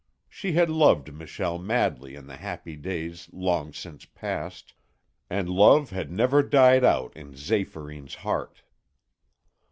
She had loved Michel madly in the happy days long since past, and love had never died out in Zéphyrine's heart.